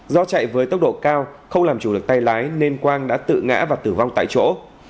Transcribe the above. do chạy với tốc độ cao không làm chủ được tay lái nên quang đã tự ngã và tử vong tại chỗ